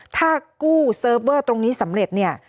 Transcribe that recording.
ถ้ากู้เซิร์ฟเวอร์ตรงนี้สำเร็จเนี่ย